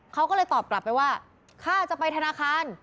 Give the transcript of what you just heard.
เขาก็เลยตอบกลับไปว่าข้าจะไปธนาคาร